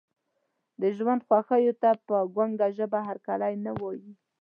د ژوند خوښیو ته په ګونګه ژبه هرکلی نه وایي.